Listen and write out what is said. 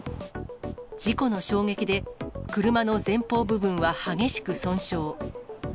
事故の衝撃で車の前方部分は激しく損傷。